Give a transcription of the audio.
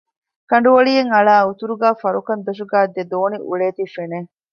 ކަނޑު އޮޅިއެއް އަޅައި އުތުރުގައި ފަރުކަން ދޮށުގައި ދެ ދޯނި އުޅޭތީ ފެނެ